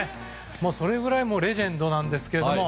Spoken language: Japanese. それぐらいレジェンドなんですけれども。